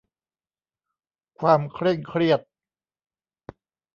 ความเคร่งเครียด